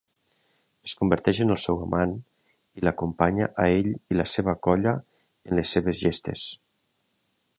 Es converteix en el seu amant, i l"acompanya a ell i la seva colla en les seves gestes.